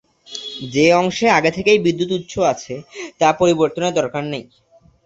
যে অংশে আগে থেকেই বিদ্যুৎ উৎস আছে, তা পরিবর্তনের দরকার নেই।